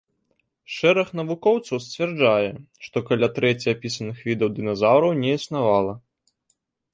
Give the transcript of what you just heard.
Шэраг навукоўцаў сцвярджае, што каля трэці апісаных відаў дыназаўраў не існавала.